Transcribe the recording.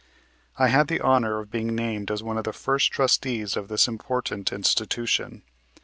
I had the honor of being named as one of the first trustees of this important institution.